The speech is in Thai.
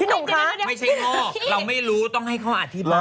หนุ่มคะไม่ใช่งอกเราไม่รู้ต้องให้เขาอธิบาย